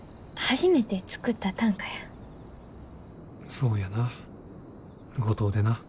そうやな五島でな。